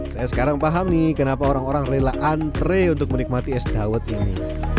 saya sekarang paham nih kenapa orang orang rela antre untuk menikmati es dawet ini